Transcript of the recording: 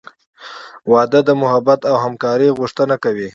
• واده د محبت او همکارۍ غوښتنه کوي.